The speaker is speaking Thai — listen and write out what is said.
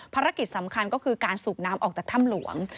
ภารกิจสำคัญก็คือการสูบน้ำออกจากถ้ำหลวง